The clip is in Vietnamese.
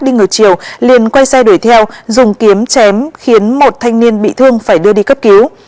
đi ngược chiều liền quay xe đuổi theo dùng kiếm chém khiến một thanh niên bị thương phải đưa đi cấp cứu